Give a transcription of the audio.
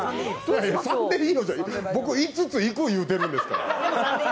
僕５ついく言うてるんですから。